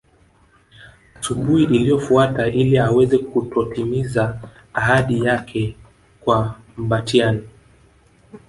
Asubuhi iliyofuata ili aweze kutotimiza ahadi yake kwa Mbatiany